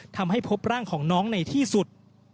ทำให้พบร่างของน้องในที่สุด